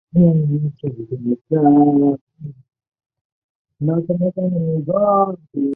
为金印驼纽王。